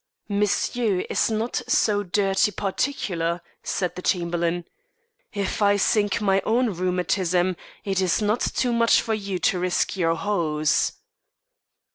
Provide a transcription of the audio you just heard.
"Monsieur is not so dirty particular," said the Chamberlain. "If I sink my own rheumatism, it is not too much for you to risk your hose."